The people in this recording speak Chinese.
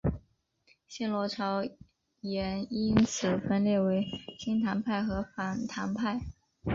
新罗朝延因此分裂为亲唐派和反唐派。